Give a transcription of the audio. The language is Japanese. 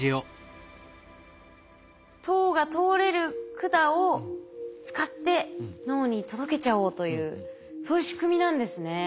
糖が通れる管を使って脳に届けちゃおうというそういう仕組みなんですね。